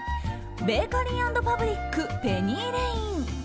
ベーカリー＆パブリックペニーレイン。